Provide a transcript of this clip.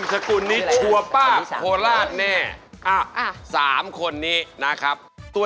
ไหมสวัสดีค่ะ